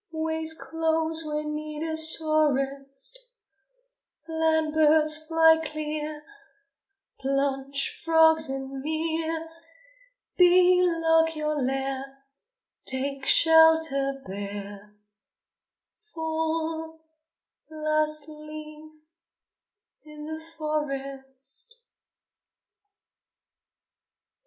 Ways close when need is sorest: Land birds, fly clear! Plunge, frogs, in mere! Bee, lock your lair! Take shelter, bear! Fall, last leaf in the forest!